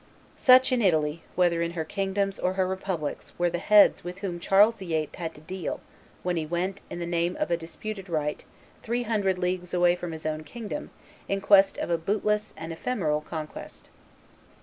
Such, in Italy, whether in her kingdoms or her republics, were the Heads with whom Charles VIII. had to deal when he went, in the name of a disputed right, three hundred leagues away from his own kingdom in quest of a bootless and ephemeral conquest.